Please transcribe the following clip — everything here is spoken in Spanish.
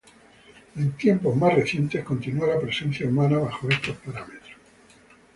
En tiempos más recientes continúa la presencia humana bajo estos parámetros.